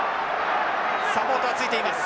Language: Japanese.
サポートはついています。